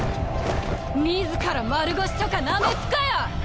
自ら丸腰とかなめプかよ！